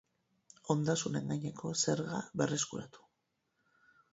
Ondasunen gaineko zerga berreskuratu.